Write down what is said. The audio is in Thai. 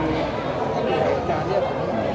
ในของนักดูกแครกบางที